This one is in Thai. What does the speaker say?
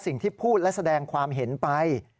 สิ่งที่พูดและแสดงความเห็นไป